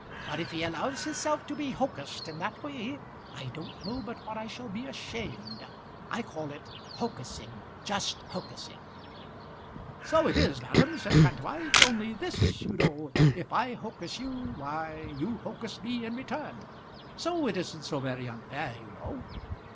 But if he allows hisself to be hocussed in that way, I don't know but what I shall be ashamed. I call it hocussing just hocussing." "So it is, ma'am," said Kantwise, "only this, you know, if I hocus you, why you hocus me in return; so it isn't so very unfair, you know."